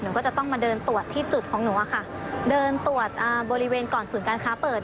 ก็จะต้องมาเดินตรวจที่จุดของหนูอะค่ะเดินตรวจอ่าบริเวณก่อนศูนย์การค้าเปิด